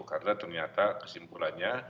karena ternyata kesimpulannya